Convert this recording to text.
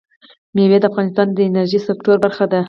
مېوې د افغانستان د انرژۍ سکتور برخه ده.